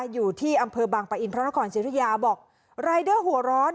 อยู่ที่อำเภอบางปะอินพระนครศิริยาบอกรายเดอร์หัวร้อน